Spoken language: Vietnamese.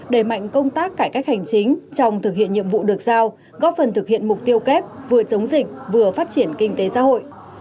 đẩy mạnh công tác cải cách hành chính trong thực hiện nhiệm vụ được giao góp phần thực hiện mục tiêu kép vừa chống dịch vừa phát triển kinh tế xã hội